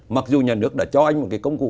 mặc dù nhà nước đã cho anh một cái công cụ